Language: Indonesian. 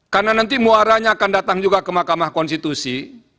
karena nanti muaranya akan datang juga ke mahkamah konstitusi